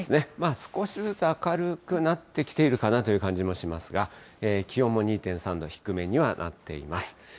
少しずつ明るくなってきているかなという感じもしますが、気温も２．３度、低めにはなっています。